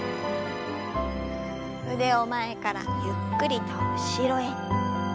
腕を前からゆっくりと後ろへ。